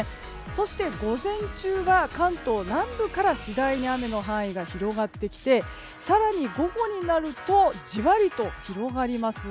そして、午前中は関東南部から次第に雨の範囲が広がってきて更に午後になるとじわりと広がります。